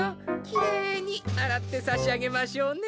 きれいにあらってさしあげましょうね。